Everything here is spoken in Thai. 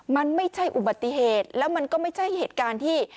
มันไม่ใช่อุบัติเหตุแล้วมันก็ไม่ใช่เหตุการณ์ที่